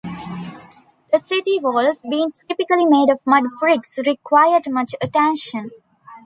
The city walls, being typically made of mud bricks, required much attention.